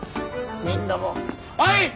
みんなもうおい！